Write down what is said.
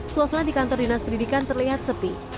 suasana di kantor dinas pendidikan terlihat sepi